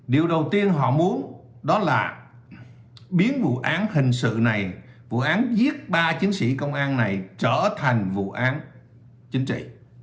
điều đầu tiên họ muốn đó là biến vụ án hình sự này vụ án giết ba chiến sĩ công an này trở thành vụ án chính trị